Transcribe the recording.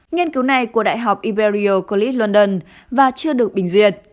nghiên cứu này của đại học imperial college london và chưa được bình duyệt